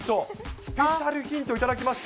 スペシャルヒントをいただきました。